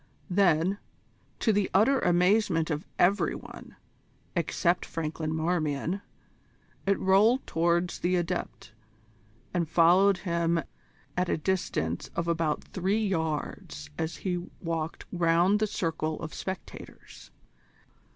Then, to the utter amazement of every one, except Franklin Marmion, it rolled towards the Adept and followed him at a distance of about three yards as he walked round the circle of spectators.